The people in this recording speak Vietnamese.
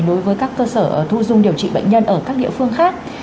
đối với các cơ sở thu dung điều trị bệnh nhân ở các địa phương khác